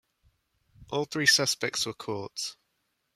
All three suspects were caught.